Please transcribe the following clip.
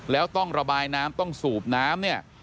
แล้วต้องระบายน้ำต้องสูบน้ำเนี่ย